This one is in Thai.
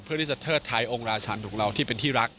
เพื่อที่จะเทิดท้ายองค์ราชาญของเราที่เป็นที่รัก